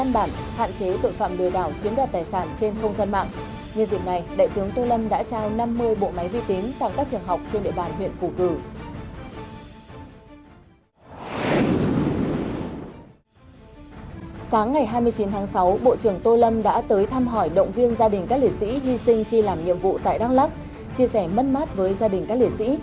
bộ trưởng tô lâm đã tới thăm hỏi động viên gia đình các lễ sĩ hy sinh khi làm nhiệm vụ tại đăng lắc chia sẻ mất mát với gia đình các lễ sĩ